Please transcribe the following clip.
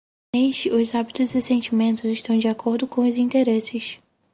Neste os hábitos e sentimentos estão de acordo com os interesses.